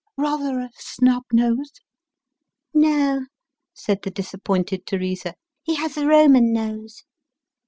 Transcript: " Rather a snub nose ?"" No," said the disappointed Teresa, " he has a Roman nose."